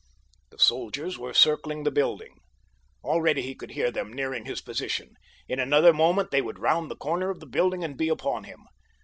The soldiers were circling the building. Already he could hear them nearing his position. In another moment they would round the corner of the building and be upon him.